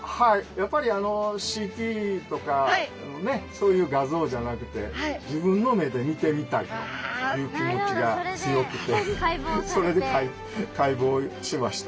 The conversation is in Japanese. やっぱりＣＴとかのねそういう画像じゃなくて自分の目で見てみたいという気持ちが強くてそれで解剖しました。